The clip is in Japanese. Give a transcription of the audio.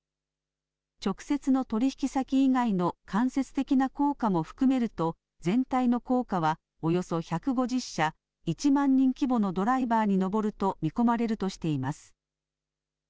直接の取り引き先以外の間接的な効果も含めると、全体の効果はおよそ１５０社、１万人規模のドライバーに上ると見込まれるとしています。